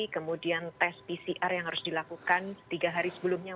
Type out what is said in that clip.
kemudian tes pcr yang harus dilakukan tiga hari sebelumnya